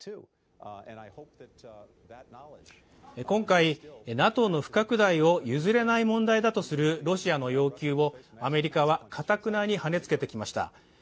今回、ＮＡＴＯの不拡大を譲れない問題だとするロシアの要求をアメリカはかたくなに、はねつけてきました。